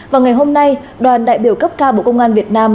và ngày hôm nay đoàn đại biểu cấp cao bộ công an việt nam